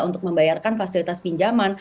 untuk membayarkan fasilitas pinjaman